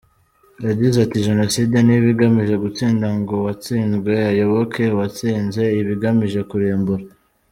Yagize ati “Jenoside ntiba igamije gutsinda ngo uwatsinzwe ayoboke uwatsinze, iba igamije kurimbura.